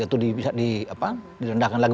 itu bisa di rendahkan lagi